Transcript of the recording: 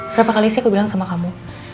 berapa kali sih aku bilang sama kamu